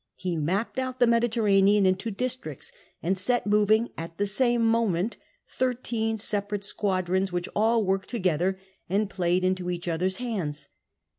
He mapped out the Mediterranean into districts, and set moving at the same moment thirteen separate squadrons, which all worked together and played into each other's hands.